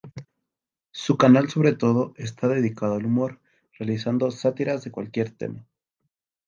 Su canal sobre todo está dedicado al humor, realizando sátiras de cualquier tema.